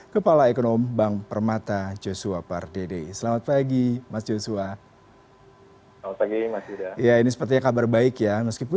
kepala ekonomi bank permata joshua pardede